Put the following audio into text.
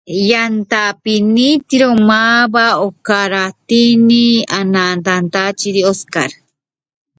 Fue candidato en tres ocasiones al premio Óscar.